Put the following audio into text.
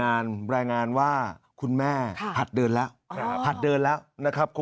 อ่ารายงานว่าคุณแม่ผัดเดินแล้ว